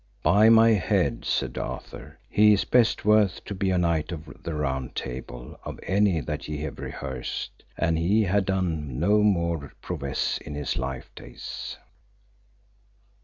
By my head, said Arthur, he is best worth to be a knight of the Round Table of any that ye have rehearsed, an he had done no more prowess in his life days.